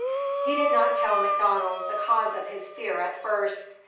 He did not tell MacDonald the cause of this fear at first.